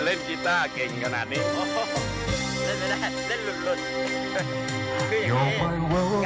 เล่นกีต้าเก่งขนาดนี้